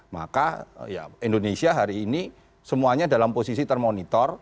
maka indonesia hari ini semuanya dalam posisi termonitor